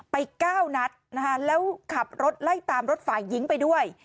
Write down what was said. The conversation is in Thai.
ไปก้าวนัดนะฮะแล้วขับรถไล่ตามรถฝ่ายยิงไปด้วย